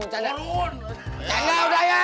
bercanda udah ya